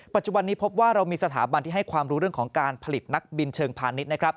ปัจจุบันนี้พบว่าเรามีสถาบันที่ให้ความรู้เรื่องของการผลิตนักบินเชิงพาณิชย์นะครับ